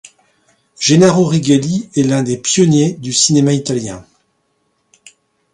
Gennaro Righelli est l'un des pionniers du cinéma italien.